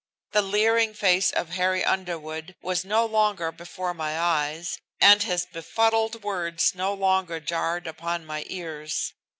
The leering face of Harry Underwood was no longer before my eyes, and his befuddled words no longer jarred upon my ears.